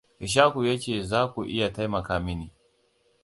Ishaku ya ce za ku iya taimaka mini.